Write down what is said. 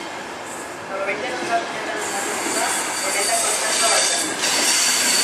Norbaiten ondasunetan oinarrituta, benetako zerga bat da.